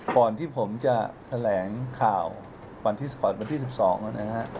ก่อนที่ผมจะแถลงข่าววันที่๑๒นะฮะ